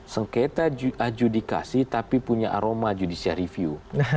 sengketa adjudikasi tapi punya aroma judicial review